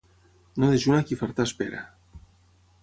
No dejuna qui fartar espera.